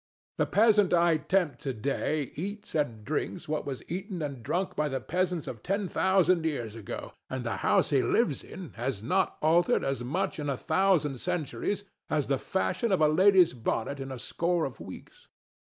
The peasant I tempt to day eats and drinks what was eaten and drunk by the peasants of ten thousand years ago; and the house he lives in has not altered as much in a thousand centuries as the fashion of a lady's bonnet in a score of weeks.